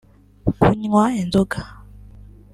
kunywa inzoga